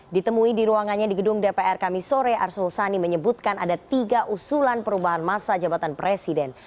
ditemui di ruangannya di gedung dpr kami sore arsul sani menyebutkan ada tiga usulan perubahan masa jabatan presiden